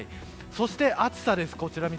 そして、暑さです。